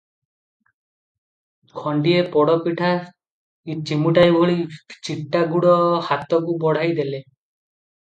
ଖଣ୍ଡିଏ ପୋଡ଼ପିଠା, ଚିମୁଟାଏ ଭଳି ଚିଟା ଗୁଡ଼ ହାତକୁ ବଢ଼ାଇ ଦେଲେ ।